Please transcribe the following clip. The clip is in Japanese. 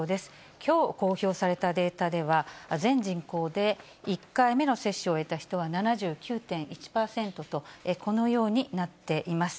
きょう公表されたデータでは、全人口で１回目の接種を終えた人は７９．１％と、このようになっています。